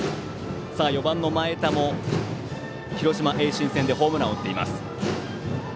４番、前田も広島・盈進戦でホームランを打っています。